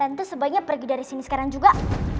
itu sebaiknya pergi dari sini sekarang juga